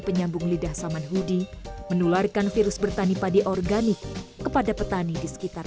penyambung lidah samanhudi menularkan virus bertani padi organik kepada petani di sekitar